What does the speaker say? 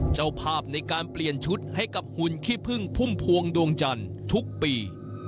เจ้าภาพในการเปลี่ยนชุดให้กับหุ่นขี้พึ่งพุ่มพวงดวงจันทร์ทุกปี